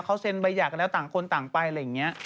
เขาเซ็นใบหย่ากันแล้วต่างคนต่างไปอะไรอย่างนี้